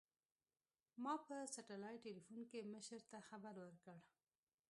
ما په سټلايټ ټېلفون کښې مشر ته خبر وركړ.